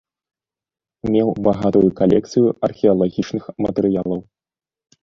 Меў багатую калекцыю археалагічных матэрыялаў.